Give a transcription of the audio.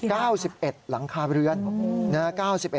คิดว่ามั้ย